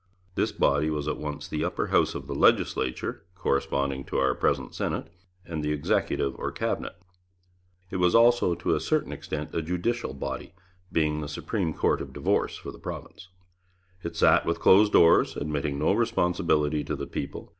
This body was at once the Upper House of the Legislature, corresponding to our present Senate, and the Executive or Cabinet. It was also to a certain extent a judicial body, being the Supreme Court of Divorce for the province. It sat with closed doors, admitting no responsibility to the people.